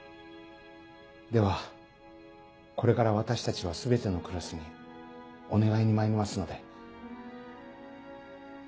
ではこれから私たちは全てのクラスにお願いにまいりますので。